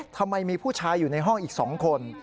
ทำไมมีผู้ชายอยู่ในห้องอีก๒คน